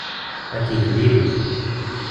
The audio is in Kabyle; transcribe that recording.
Akeyyef diri-t.